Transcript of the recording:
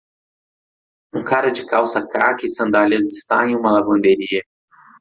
Um cara de calça cáqui e sandálias está em uma lavanderia.